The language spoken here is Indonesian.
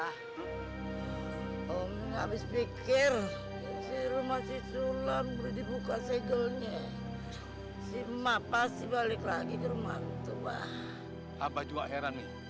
habis pikir rumah sisulang berdibuka segelnya si mbak pasti balik lagi di rumah tua apa